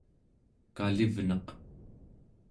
kalivneq